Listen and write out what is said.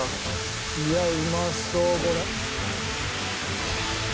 いやうまそうこれ。